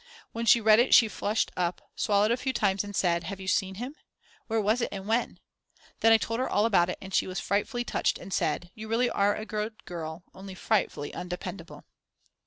When she read it she flushed up, swallowed a few times and said: "Have you seen him? Where was it and when?" Then I told her all about it and she was frightfully touched and said: "You really are a good girl, only frightfully undependable."